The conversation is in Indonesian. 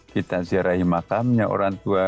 kita zirahi makamnya orang tua